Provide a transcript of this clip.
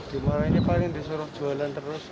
dimarahinnya paling disuruh jualan terus